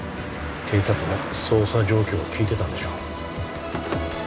警察の捜査状況を聞いてたんでしょう